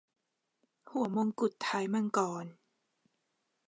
หัวมงกุฏท้ายมังกร